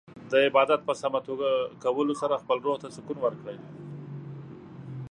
د عبادت په سمه توګه کولو سره خپل روح ته سکون ورکړئ.